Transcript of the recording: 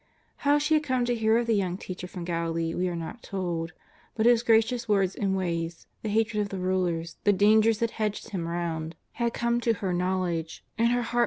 How she had come to hear of the young Teacher from Galilee, we are not told, but His gracious words and ways, the hatred of the rulers, the dangers that hedged Him round, had come to her knowledge, and her heart was cr n> n tJ r^ t/5 O) r+ H o Di: V) M r^ X3 cd 7".